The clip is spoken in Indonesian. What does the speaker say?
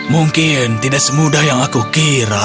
mungkin tidak semudah yang aku kira